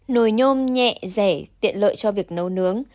nồi nhôm nhẹ rẻ tiện lợi cho việc nấu nướng